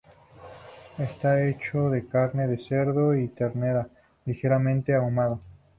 Está hecho de carne de cerdo y ternera, ligeramente ahumado.